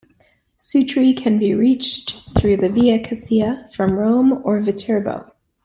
Sutri can be reached through the Via Cassia from Rome or Viterbo.